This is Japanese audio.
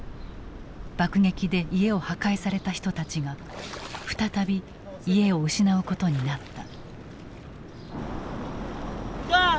爆撃で家を破壊された人たちが再び家を失うことになった。